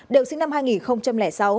đều sinh năm hai nghìn sáu